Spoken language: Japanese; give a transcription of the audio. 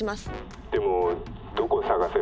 「でもどこを捜せば」。